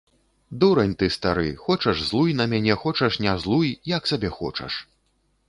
Дурань ты стары, хочаш злуй на мяне, хочаш не злуй, як сабе хочаш!